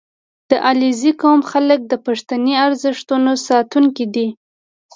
• د علیزي قوم خلک د پښتني ارزښتونو ساتونکي دي.